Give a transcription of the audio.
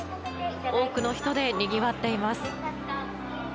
多くの人でにぎわっています。